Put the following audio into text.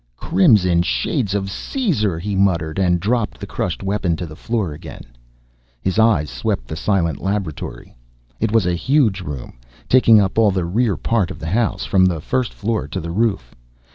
"Crimson shades of Caesar!" he muttered, and dropped the crushed weapon to the floor again. His eyes swept the silent laboratory. It was a huge room, taking up all the rear part of the house, from the first floor to the roof.